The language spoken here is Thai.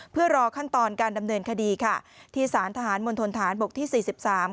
เพื่อรอขั้นตอนการดำเนินคดีค่ะที่สารทหารมณฑนฐานบกที่สี่สิบสาม